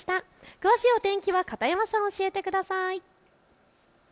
詳しいお天気を片山さん、教えてください。